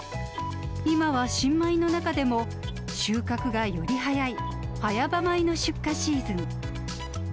今は新米の中でも収穫がより早い早場米の出荷シーズン。